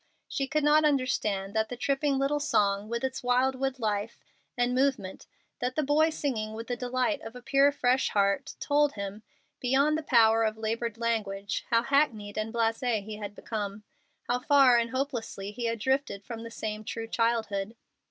She could not understand that the tripping little song, with its wild wood life and movement that the boy singing with the delight of a pure, fresh heart told him, beyond the power of labored language, how hackneyed and blase he had become, how far and hopelessly he had drifted from the same true childhood.